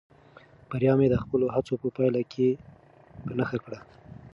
بریا مې د خپلو هڅو په پایله کې په نښه کړه.